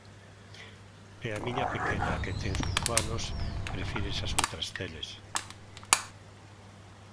E a miña pequena que ten cinco anos prefire esas outras teles.